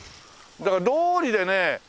だからどうりでね